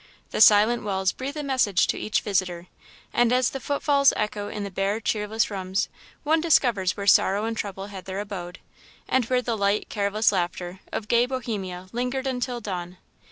The silent walls breathe a message to each visitor, and as the footfalls echo in the bare cheerless rooms, one discovers where Sorrow and Trouble had their abode, and where the light, careless laughter of gay Bohemia lingered until dawn.